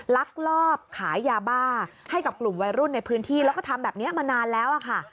ลักลอบขายยาบ้าให้กับกลุ่มวัยรุ่นในพื้นที่แล้วก็ทำแบบนี้มานานแล้วค่ะ